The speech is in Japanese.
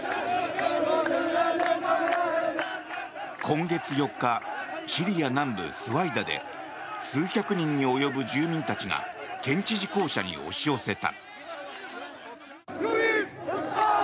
今月４日シリア南部スワイダで数百人に及ぶ住民たちが県知事公舎に押し寄せた。